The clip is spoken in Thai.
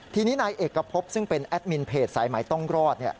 ทีนี้นายเอกพบซึ่งเป็นแอดมินเพจสายใหม่ต้องรอด